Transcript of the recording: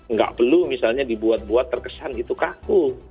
nggak perlu misalnya dibuat buat terkesan itu kaku